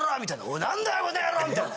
おいなんだよこの野郎！みたいな。